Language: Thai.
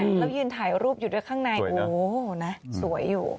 แล้วยืนถ่ายรูปอยู่ด้วยข้างในโอ้นะสวยอยู่